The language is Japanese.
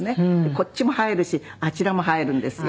こっちも映えるしあちらも映えるんですよ。